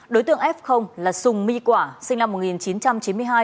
đối tượng f là sùng my quả sinh năm một nghìn chín trăm chín mươi hai